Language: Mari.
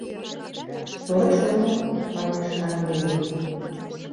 — Тореш омыл, — манеш Шаҥгерей.